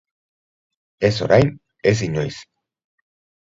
Ez orain, ez inoiz.